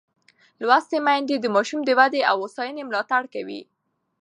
لوستې میندې د ماشوم د ودې او هوساینې ملاتړ کوي.